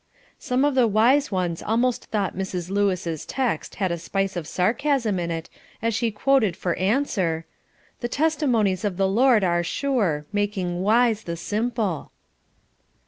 Some of the wise ones almost thought Mrs. Lewis' text had a spice of sarcasm in it as she quoted for answer, "The testimonies of the Lord are sure, making wise the simple."